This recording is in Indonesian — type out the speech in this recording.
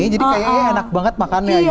jadi kayaknya enak banget makannya